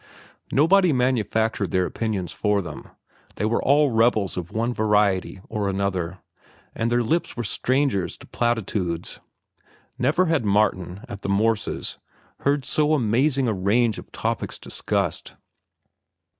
Nobody manufactured their opinions for them; they were all rebels of one variety or another, and their lips were strangers to platitudes. Never had Martin, at the Morses', heard so amazing a range of topics discussed.